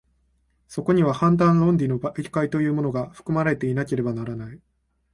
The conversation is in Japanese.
そこには判断論理の媒介というものが、含まれていなければならない。